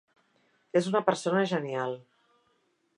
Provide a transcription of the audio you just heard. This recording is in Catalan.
És una persona genial.